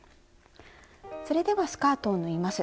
それではスカートを縫います。